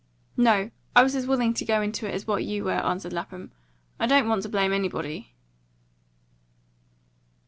"No; I was as willing to go into it as what you were," answered Lapham. "I don't want to blame anybody."